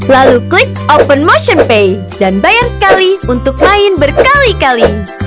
lalu klik open motion pay dan bayar sekali untuk main berkali kali